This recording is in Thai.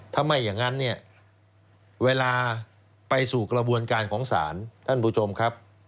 ถ้าไม่อย่างนั้นเนี่ยเวลาไปสู่กระบวนการของศาลท่านผู้ชมครับ